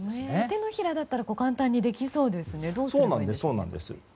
手のひらだったら簡単にできそうですね。